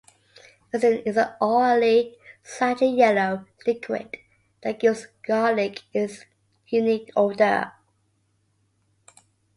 Allicin is an oily, slightly yellow liquid that gives garlic its unique odor.